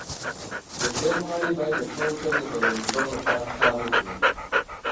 د ټیم غړي باید د ټول ټیم د بریالیتوب لپاره کار وکړي.